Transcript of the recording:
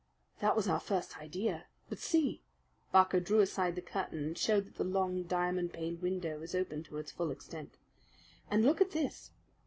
"That was our first idea. But see!" Barker drew aside the curtain, and showed that the long, diamond paned window was open to its full extent. "And look at this!"